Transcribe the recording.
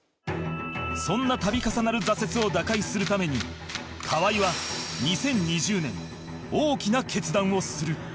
そんな度重なる挫折を打開するために河合は２０２０年大きな決断をする